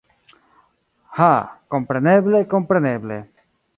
Ha kompreneble kompreneble